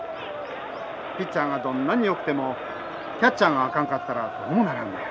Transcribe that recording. ピッチャーがどんなによくてもキャッチャーがあかんかったらどうもならんのや。